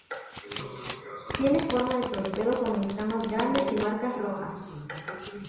Tiene forma de torpedo con escamas grandes y marcas rojas.